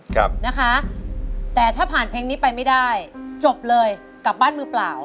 ครับนะคะแต่ถ้าผ่านเพลงนี้ไปไม่ได้จบเลยกลับบ้านมือเปล่า